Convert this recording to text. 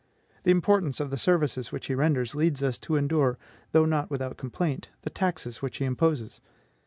The importance of the services which he renders leads us to endure, though not without complaint, the taxes which he imposes.